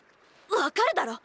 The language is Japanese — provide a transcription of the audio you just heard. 分かるだろ！